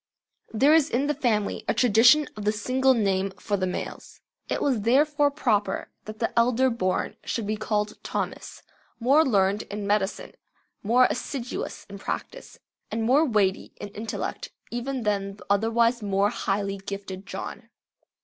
There is in the family a tradition of the single name for the males. It was therefore proper that the elder born should be called Thomas, more learned in medicine, more assiduous in practice, and more weighty in intellect even than the otherwise more highly gifted John.